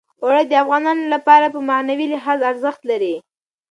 اوړي د افغانانو لپاره په معنوي لحاظ ارزښت لري.